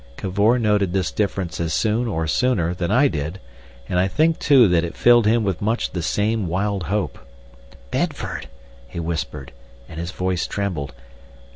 Cavor noted this difference as soon, or sooner, than I did, and I think, too, that it filled him with much the same wild hope. "Bedford," he whispered, and his voice trembled.